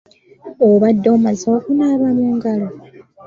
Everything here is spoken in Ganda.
Obadde omaze okunaaba mu ngalo?